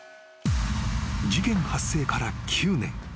［事件発生から９年。